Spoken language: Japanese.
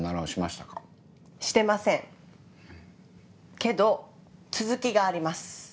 けど続きがあります。